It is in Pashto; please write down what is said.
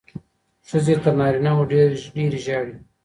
ښځې تر نارینه وو ډېرې ژاړي.